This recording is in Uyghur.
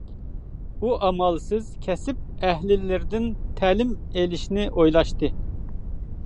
ئۇ ئامالسىز كەسىپ ئەھلىلىرىدىن تەلىم ئېلىشنى ئويلاشتى.